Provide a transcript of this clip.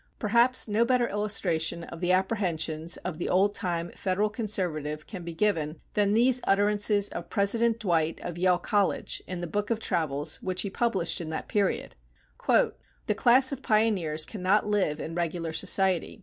Perhaps no better illustration of the apprehensions of the old time Federal conservative can be given than these utterances of President Dwight, of Yale College, in the book of travels which he published in that period: The class of pioneers cannot live in regular society.